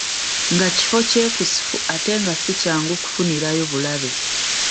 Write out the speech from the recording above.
Nga kifo kyekusifu ate nga si kyangu kufunirayo bulabe.